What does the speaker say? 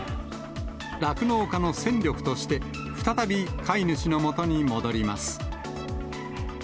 酪農家の戦力として、再び飼い主のもとに戻ります。